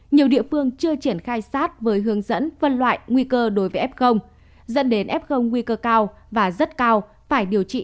nhiều địa phương chưa triển khai sát với hướng dẫn phân loại nguy cơ đối với f dẫn đến f nguy cơ cao và rất cao phải điều trị